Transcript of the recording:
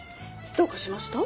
どうかしました？